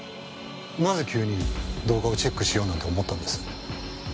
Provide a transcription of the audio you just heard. なぜ急に動画をチェックしようなんて思ったんです？